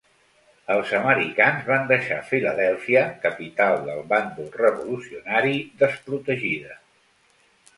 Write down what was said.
Els americans van deixar Filadèlfia, capital del bàndol revolucionari, desprotegida.